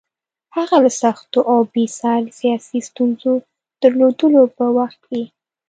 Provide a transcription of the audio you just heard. هغه له سختو او بې ساري سیاسي ستونزو درلودلو په وخت کې.